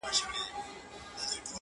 تاريخ د درد شاهد پاتې کيږي,